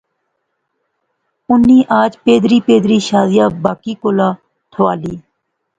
اُنی اج پھیدری پھیدری شازیہ باقیں کولا ٹھوالی